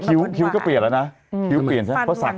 นี่เปรียบนะเดี๋ยวปู๊นสัก